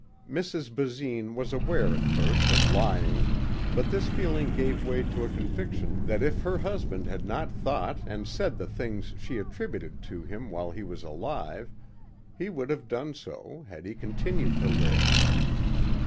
Mrs. Basine was aware at first of lying but this feeling gave way to a conviction that if her husband had not thought and said the things she attributed to him while he was alive he would have done so had he continued to live.